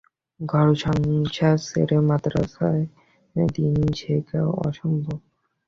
ঘরসংসার ছেড়ে মাদ্রাসায় দ্বীন শেখাও অসম্ভব।